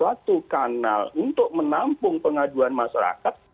suatu kanal untuk menampung pengaduan masyarakat